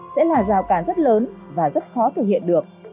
sẽ là rào cản rất lớn và rất khó thực hiện được